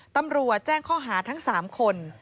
ตำรวจแจ้งข้อหาทั้ง๓คน